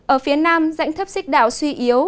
ở phía nam dãy thấp xích đạo suy yếu